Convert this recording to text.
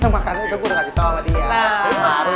makanya itu gue udah gak ditolong sama dia